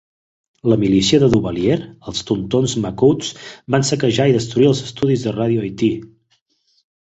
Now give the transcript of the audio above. La milícia de Duvalier, els Tontons Macoutes, van saquejar i destruir els estudis de Radio Haití.